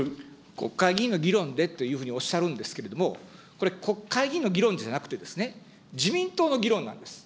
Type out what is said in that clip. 国会議員の議論でというふうにおっしゃるんですけれども、これ、国会議員の議論じゃなくて、自民党の議論なんです。